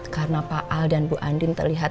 karena paal dan bu andien terlihat